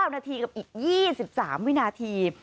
๙นาทีกับอีก๒๓วินาที